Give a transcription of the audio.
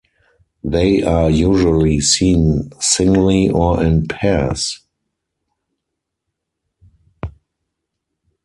They are usually seen singly or in pairs.